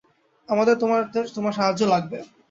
আমাদের তোমার সাহায্য লাগবে।